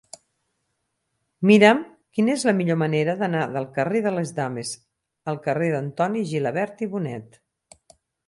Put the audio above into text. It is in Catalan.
Mira'm quina és la millor manera d'anar del carrer de les Dames al carrer d'Antoni Gilabert i Bonet.